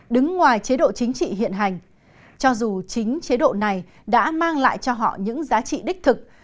đứng ngoài chế độ chính trị hiện hành cho dù chính chế độ này đã mang lại cho họ những giá trị đích thực